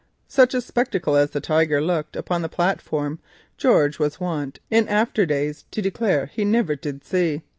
Such a spectacle as the Tiger upon the platform George was wont in after days to declare he never did see.